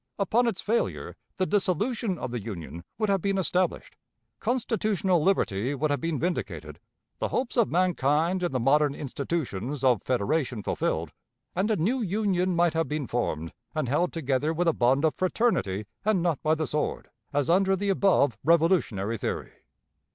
Upon its failure, the dissolution of the Union would have been established; constitutional liberty would have been vindicated; the hopes of mankind in the modern institutions of federation fulfilled; and a new Union might have been formed and held together with a bond of fraternity and not by the sword, as under the above revolutionary theory.